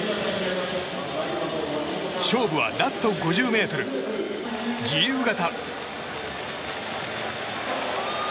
勝負はラスト５０ｍ自由形。